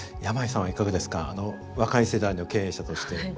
山井さんはいかがですか若い世代の経営者として。